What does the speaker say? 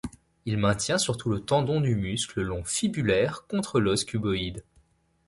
Il maintient surtout le tendon du muscle long fibulaire contre l'os cuboïde.